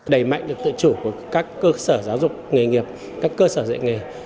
đẩy mạnh được tự chủ của các cơ sở giáo dục nghề nghiệp các cơ sở dạy nghề